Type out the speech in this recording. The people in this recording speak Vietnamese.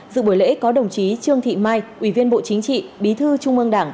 dự buổi lễ có đồng chí trương thị mai ủy viên bộ chính trị bí thư trung ương đảng